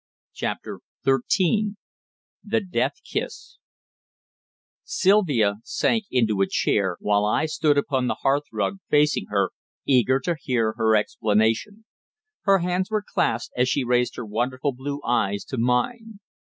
CHAPTER THIRTEEN THE DEATH KISS Sylvia sank into a chair, while I stood upon the hearth rug facing her, eager to hear her explanation. Her hands were clasped as she raised her wonderful blue eyes to mine.